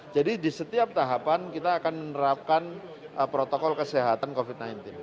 jadi di setiap tahapan kita akan menerapkan protokol kesehatan covid sembilan belas